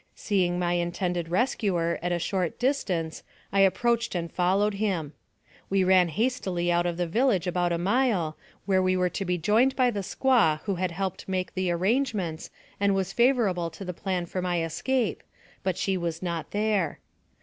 Seeing my intended rescuer at a short distance, I approached and followed him. We ran hastily out of the village about a mile, where we were to be joined by the squaw who had helped make the arrangements and was favorable to the plan for my escape, but she was not there.